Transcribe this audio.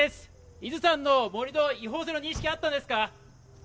伊豆山の盛り土、違法性の認識はあったんですか？